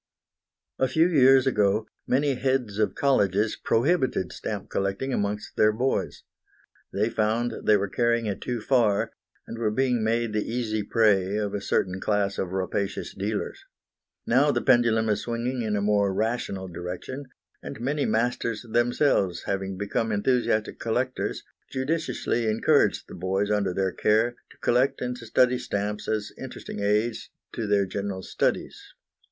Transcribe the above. A few years ago many heads of colleges prohibited stamp collecting amongst their boys. They found they were carrying it too far, and were being made the easy prey of a certain class of rapacious dealers. Now the pendulum is swinging in a more rational direction, and many masters themselves having become enthusiastic collectors, judiciously encourage the boys under their care to collect and study stamps as interesting aids to their general studies.